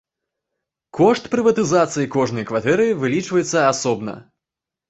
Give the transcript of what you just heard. Кошт прыватызацыі кожнай кватэры вылічваецца асобна.